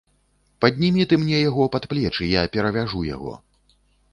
Паднімі ты мне яго пад плечы, я перавяжу яго.